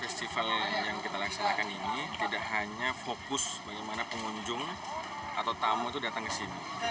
festival yang kita laksanakan ini tidak hanya fokus bagaimana pengunjung atau tamu itu datang ke sini